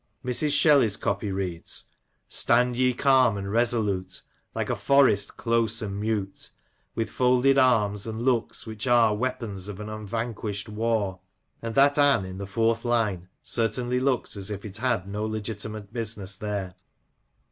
Mrs. Shelley's copy reads: —" Stand ye calm and resolute, Like a forest close and mute, With folded arms and looks which are Weapons of an un vanquished war," 22 SHELLEY, '' PETERLOO;' AND and that an in the fourth line certainly looks as if it had no legitimate business there.